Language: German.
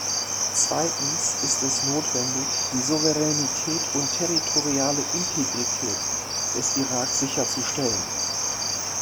Zweitens ist es notwendig, die Souveränität und territoriale Integrität des Irak sicherzustellen.